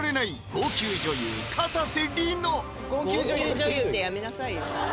「号泣女優」ってやめなさいよ